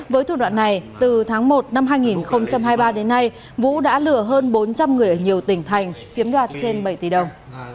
với thủ đoạn này từ tháng một năm hai nghìn hai mươi ba đến nay vũ đã lừa hơn bốn trăm linh người ở nhiều tỉnh thành chiếm đoạt trên bảy tỷ đồng